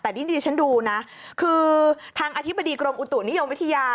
แต่นี่ดิฉันดูนะคือทางอธิบดีกรมอุตุนิยมวิทยา